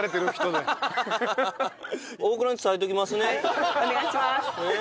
はいお願いします。